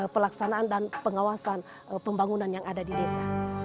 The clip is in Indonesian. pelaksanaan dan pengawasan pembangunan yang ada di desa